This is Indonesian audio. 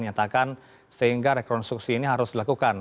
menyatakan sehingga rekonstruksi ini harus dilakukan